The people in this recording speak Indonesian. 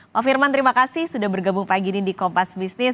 pak firman terima kasih sudah bergabung pagi ini di kompas bisnis